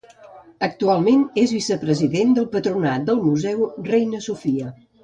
Actualment és vicepresident del Patronat del Museu Reina Sofia.